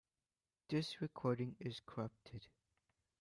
This recording is corrupted.